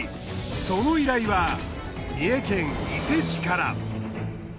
その依頼は三重県伊勢市から。